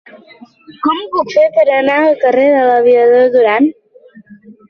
Com ho puc fer per anar al carrer de l'Aviador Durán?